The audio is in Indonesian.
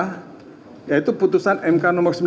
ramifikasi itu adalah kekuasaan yang terkait dengan kekuasaan